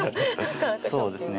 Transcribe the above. そうですね。